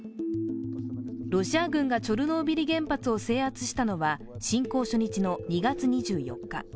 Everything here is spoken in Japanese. ロシア軍がチョルノービリ原発を制圧したのは、侵攻初日の２月２４日。